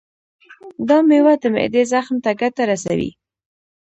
دا میوه د معدې زخم ته ګټه رسوي.